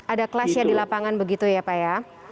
ada kelasnya di lapangan begitu ya pak ya